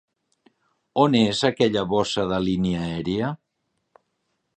On és aquella bossa de línia aèria?